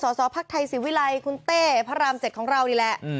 สสพักไทยศิวิลัยคุณเต้พระราม๗ของเรานี่แหละ